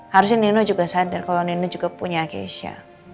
harusnya nino juga sadar kalau nino juga punya keisha